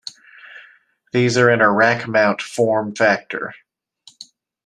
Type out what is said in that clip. These are in a rack mount form factor.